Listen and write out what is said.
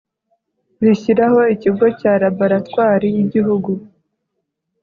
rishyiraho ikigo cya laboratwari y igihugu